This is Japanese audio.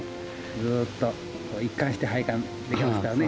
ずっと一貫して拝観できますからね。